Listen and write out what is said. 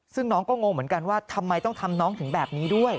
ซึ่งน้องก็งงเหมือนกันว่าทำไมต้องทำน้องถึงแบบนี้ด้วย